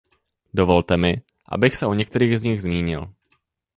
Dovolte mi, abych se o některých z nich zmínil.